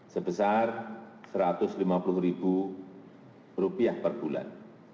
sebesar rp satu ratus lima puluh per bulan